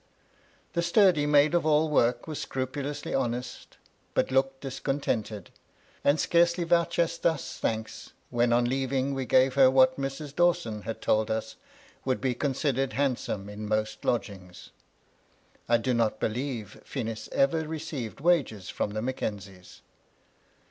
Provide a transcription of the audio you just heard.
The sturdy maid of all work was scrupu lously honest, but looked discontented, and scarcely vouchsafed us thanks, when on leaving we gave her what Mrs. Dawson had told us would be considered handsome in most lod^ngs. I do not believe Phenice ever received wages from the Mackenzies.